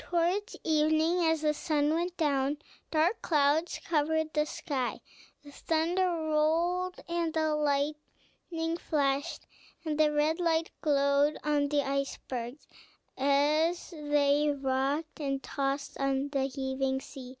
Towards evening, as the sun went down, dark clouds covered the sky, the thunder rolled and the lightning flashed, and the red light glowed on the icebergs as they rocked and tossed on the heaving sea.